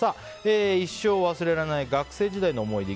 一生忘れない学生時代の思い出。